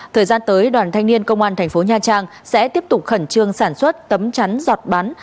thời gian tới đoàn thanh niên công an thành phố nha trang sẽ tiếp tục khẩn trương sản xuất tấm chắn giọt bắn